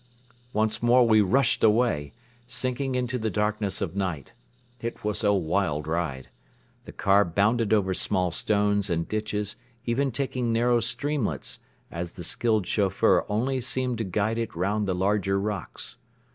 Once more we rushed away, sinking into the darkness of night. It was a wild ride. The car bounded over small stones and ditches, even taking narrow streamlets, as the skilled chauffeur only seemed to guide it round the larger rocks.